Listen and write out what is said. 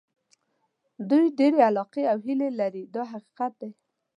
دوی ډېرې علاقې او هیلې لري دا حقیقت دی.